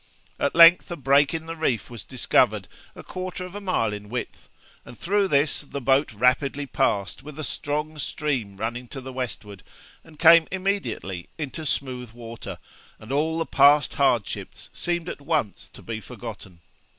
At length a break in the reef was discovered, a quarter of a mile in width, and through this the boat rapidly passed with a strong stream running to the westward, and came immediately into smooth water, and all the past hardships seemed at once to be forgotten.